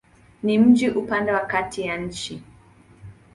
Ni mji upande wa kati ya nchi.